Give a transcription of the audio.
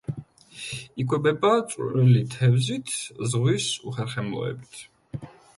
იკვებება წვრილი თევზით, ზღვის უხერხემლოებით.